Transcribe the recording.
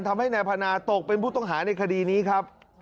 ทำให้นายพนาตกเป็นผู้ต้องหาในคดีนี้ครับ